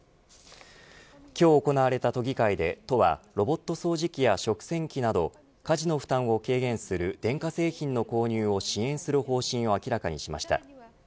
今日行われた都議会で、都は都はロボット掃除機や食洗機など家事の負担を軽減する電化製品の購入を支援する方針を明らかにしました。